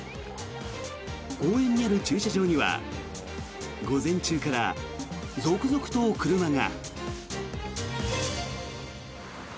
公園にある駐車場には午前中から続々と車が。